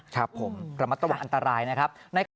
ครับผมระมัดระวังอันตรายนะครับ